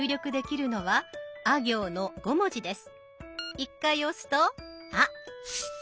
１回押すと「あ」。